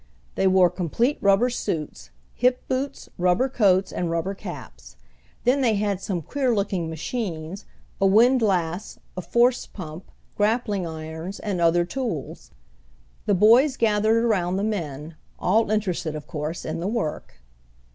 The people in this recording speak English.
They wore complete rubber suits, hip boots, rubber coats, and rubber caps. Then they had some queer looking machines, a windlass, a force pump, grappling irons, and other tools. The boys gathered around the men all interested, of course, in the work.